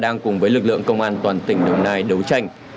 đang cùng với lực lượng công an toàn tỉnh đồng nai đấu tranh